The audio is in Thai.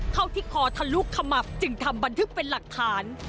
เข้าที่คอทะลุขมับจึงทำบันทึกเป็นหลักฐาน